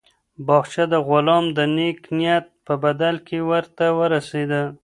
باغچه د غلام د نېک نیت په بدل کې ورته ورسېده.